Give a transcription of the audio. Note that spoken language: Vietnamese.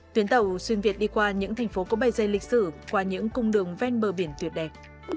tuyến tàu xuyên việt đi qua những thành phố có bày dây lịch sử qua những cung đường ven bờ biển tuyệt đẹp